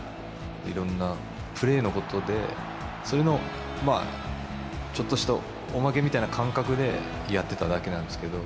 いろんなプレーのことで、それのちょっとしたおまけみたいな感覚でやってただけなんですけど。